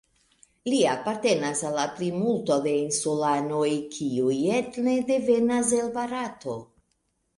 Li apartenas al la plimulto de insulanoj, kiuj etne devenas el Barato.